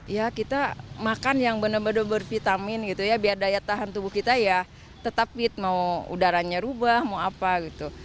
ya kita makan yang benar benar bervitamin gitu ya biar daya tahan tubuh kita ya tetap fit mau udaranya rubah mau apa gitu